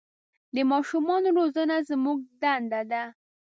د ماشومان روزنه زموږ دنده ده.